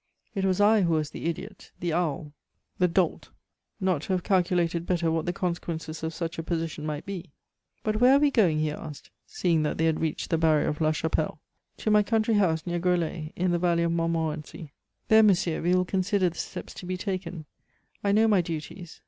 It was I who was the idiot, the owl, the dolt, not to have calculated better what the consequences of such a position might be. But where are we going?" he asked, seeing that they had reached the barrier of La Chapelle. "To my country house near Groslay, in the valley of Montmorency. There, monsieur, we will consider the steps to be taken. I know my duties.